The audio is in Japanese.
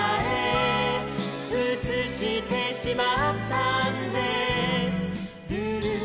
「うつしてしまったんですルル」